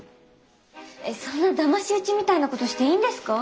そんなだまし討ちみたいなことしていいんですか？